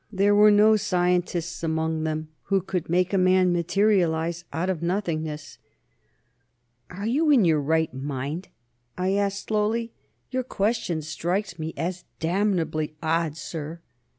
There were no scientists among them who could make a man materialize out of nothingness. "Are you in your right mind?" I asked slowly. "Your question strikes me as damnably odd, sir."